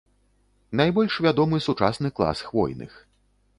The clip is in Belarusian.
Найбольш вядомы сучасны клас хвойных.